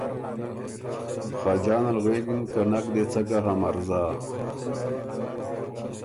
خاجان ال غوېکِن که ”نک دې څۀ ګه هۀ مرزا